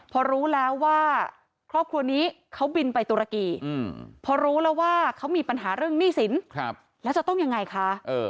พอรู้แล้วว่าครอบครัวนี้เขาบินไปตุรกีพอรู้แล้วว่าเขามีปัญหาเรื่องหนี้สินแล้วจะต้องยังไงคะ